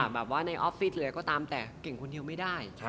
แบบว่าในออฟฟิศหรืออะไรก็ตามแต่เก่งคนเดียวไม่ได้